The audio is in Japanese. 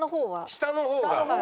下の方が？